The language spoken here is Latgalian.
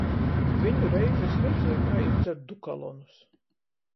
Viņu reizi es redzieju, kai jis dzer "dukalonus".